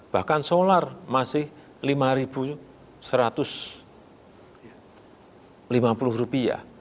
bahkan solar masih lima satu ratus lima puluh rupiah